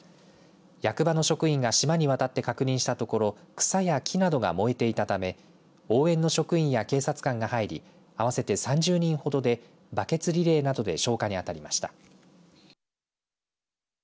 役場の職員が島に渡って確認したところ草や木などが燃えていたため応援の職員や警察官が入り合わせて３０人ほどでバケツリレーなどで消火に当たりました。